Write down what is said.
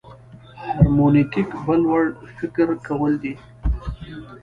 هرمنوتیک بل وړ فکر کول دي.